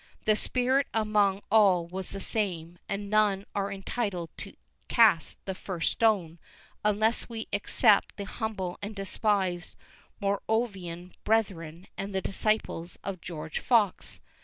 The spirit among all was the same, and none are entitled to cast the first stone, unless we except the humble and despised Moravian Brethren and the disciples of George Fox.